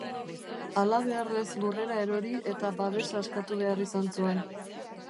Halabeharrez lurrera erori eta babesa eskatu behar izan zuen.